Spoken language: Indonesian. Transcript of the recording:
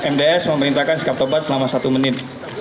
mds memerintahkan sikap tobat selama satu menit